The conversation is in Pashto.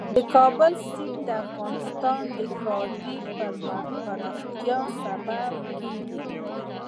د کابل سیند د افغانستان د ښاري پراختیا سبب کېږي.